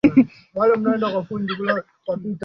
Ukaribisho Bibi Wabungu Jina linatokana na lile la mto Mara